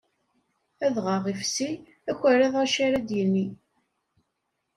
Adɣaɣ ifsi, akerra acu ar ad d-yini.